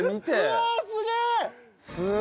うわっすげえな！